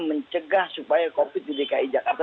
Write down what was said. mencegah supaya covid di dki jakarta